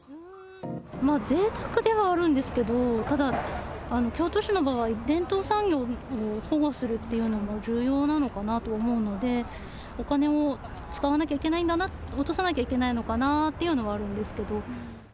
ぜいたくではあるんですけど、ただ、京都市の場合、伝統産業を保護するっていうのも重要なのかなと思うので、お金を使わなきゃいけないんだな、落とさなきゃいけないんだなっていうのはあるんですけど。